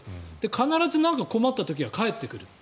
必ず困った時は返ってくると。